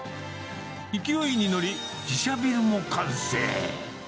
勢いに乗り、自社ビルも完成。